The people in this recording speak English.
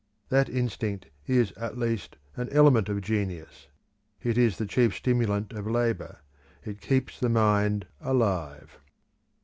That instinct is at least an element of genius; it is the chief stimulant of labour; it keeps the mind alive.